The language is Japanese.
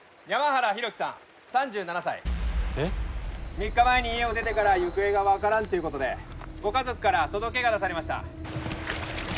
３日前に家を出てから行方がわからんという事でご家族から届が出されました。